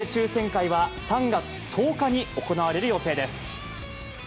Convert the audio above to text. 組み合わせ抽せん会は、３月１０日に行われる予定です。